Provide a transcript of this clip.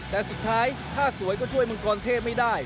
แต่สุดท้ายถ้าสวยก็ช่วยมังกรเทพไม่ได้